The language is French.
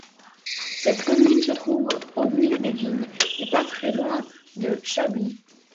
Cette commune se trouve au milieu des vignes et pas très loin de chablis.